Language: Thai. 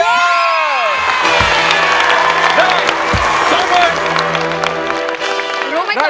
ได้๒หมื่น